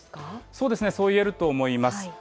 そうですね、そういえると思います。